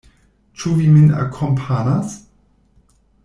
Ĉu vi min akompanas?